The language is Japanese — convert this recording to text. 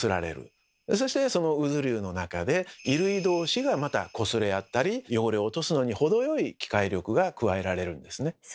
そしてその渦流の中で衣類どうしがまたこすれ合ったり汚れを落とすのに程よい機械力が加えられるんですね。